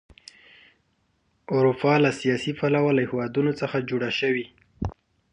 اروپا له سیاسي پلوه له هېوادونو څخه جوړه شوې.